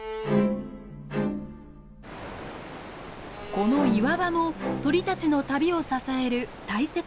この岩場も鳥たちの旅を支える大切な場所です。